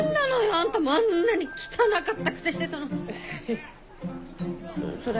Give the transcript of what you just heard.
あんたあんなに汚かったくせしてそのそれ。